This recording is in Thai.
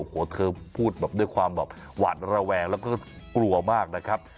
โอ้โหเธอพูดแบบด้วยความแบบหวาดระแวงแล้วก็กลัวมากนะครับ